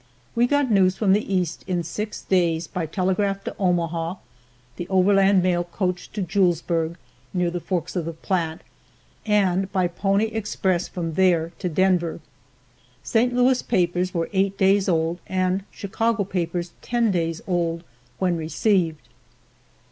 We got news from the East in six days, by telegraph to Omaha, the overland mail coach to Julesburg, near the forks of the Platte, and by pony express from there to Denver. St. Louis papers were eight days old and Chicago papers ten days old when received.